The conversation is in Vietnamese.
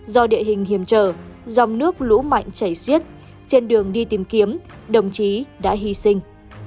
do địa hình hiểm trở dòng nước lũ mạnh chảy xiết trên đường đi tìm kiếm đồng chí đã hy sinh